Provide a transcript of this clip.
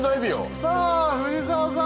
さあ藤澤さん